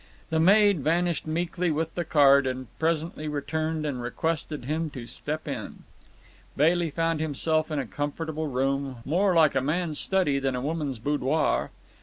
The maid vanished meekly with the card, and presently returned and requested him to step in. Bailey found himself in a comfortable room, more like a man's study than a woman's boudoir.